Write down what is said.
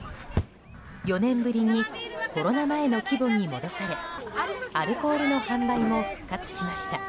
４年ぶりにコロナ前の規模に戻されアルコールの販売も復活しました。